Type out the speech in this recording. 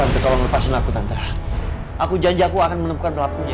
tante tolong lepasin aku tante aku janji aku akan menemukan pelakunya